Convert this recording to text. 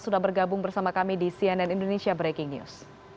sudah bergabung bersama kami di cnn indonesia breaking news